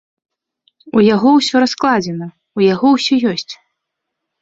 У яго ўсё раскладзена, у яго ўсё ёсць.